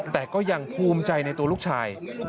แต่ก็ยังภูมิใจในตัวลูกชาย